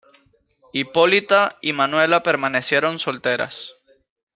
Hipólita y Manuela permanecieron solteras.